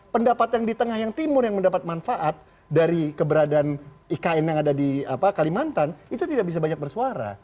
pendapat yang di tengah yang timur yang mendapat manfaat dari keberadaan ikn yang ada di kalimantan itu tidak bisa banyak bersuara